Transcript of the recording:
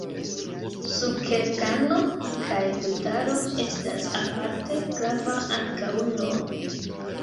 Sukerkano kaj brutaro estas aparte grava ankaŭ nun.